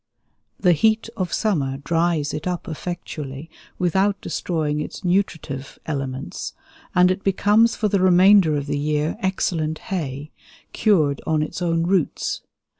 The heat of summer dries it up effectually without destroying its nutritive elements, and it becomes for the remainder of the year excellent hay, cured on its own roots.